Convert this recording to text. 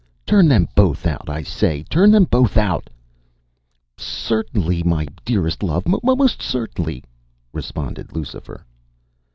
Turn them both out, I say! turn them both out!” “Certainly, my dearest love, most certainly,” responded Lucifer.